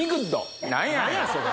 何やそれ。